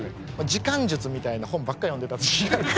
時間術みたいな本ばっかり読んでた時期があって。